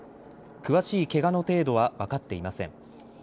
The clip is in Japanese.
詳しいけがの程度は分かっていません。